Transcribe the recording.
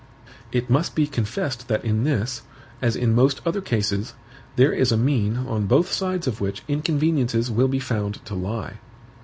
It must be confessed that in this, as in most other cases, there is a mean, on both sides of which inconveniences will be found to lie.